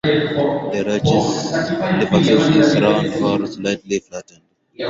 The rachis (leaf axis) is round or slightly flattened.